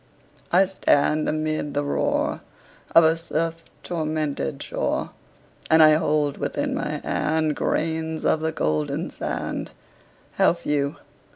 I stand amid the roar Of a surf tormented shore, And I hold within my hand Grains of the golden sand How few!